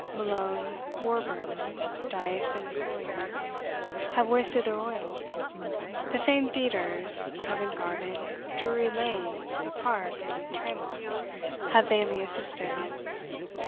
Malone, Warburton, Dyce, and Collier, have wasted their oil. The famed theaters, Covent Garden, Drury Lane, the Park, and Tremont, have vainly assisted.